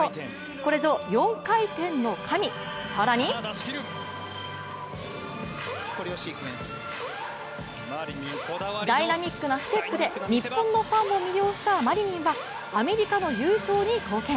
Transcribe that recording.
これぞ、４回転の神、更にダイナミックなステップで日本のファンも魅了したマリニンはアメリカの優勝に貢献。